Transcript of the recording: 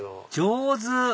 上手！